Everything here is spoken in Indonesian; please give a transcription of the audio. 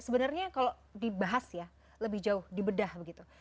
sebenarnya kalau dibahas ya lebih jauh dibedah begitu